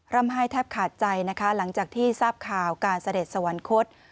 ร่ำไห้แทบขาดใจนะคะหลังจากที่ทราบข่าวการเสด็จสวรรคต